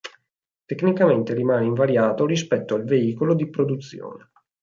Tecnicamente rimane invariato rispetto al veicolo di produzione.